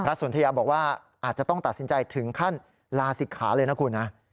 สนทยาบอกว่าอาจจะต้องตัดสินใจถึงขั้นลาศิกขาเลยนะคุณนะ